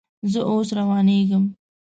زه اوس روانېږم